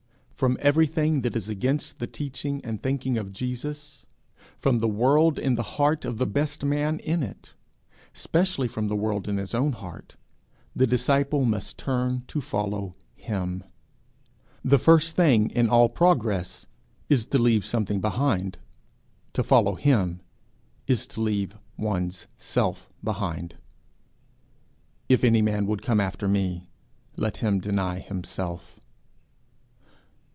From everything that is against the teaching and thinking of Jesus, from the world in the heart of the best man in it, specially from the world in his own heart, the disciple must turn to follow him. The first thing in all progress is to leave something behind; to follow him is to leave one's self behind. 'If any man would come after me, let him deny himself.'